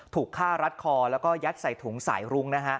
ถูกฆ่ารัดคอและยัดใส่ถุงสายรุง